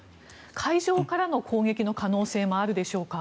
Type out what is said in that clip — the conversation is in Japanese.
海上からの攻撃の可能性もあるでしょうか？